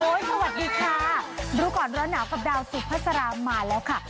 สวัสดีค่ะรู้ก่อนร้อนหนาวกับดาวสุภาษามาแล้วค่ะ